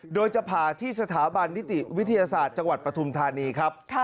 โดยจะผ่าที่สถาบันนิติวิทยาศาสตร์จังหวัดปฐุมธานีครับ